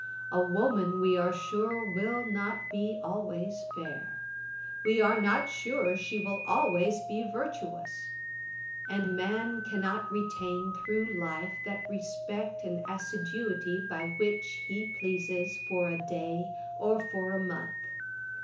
A woman, we are sure, will not be always fair; we are not sure she will always be virtuous: and man cannot retain through life that respect and assiduity by which he pleases for a day or for a month.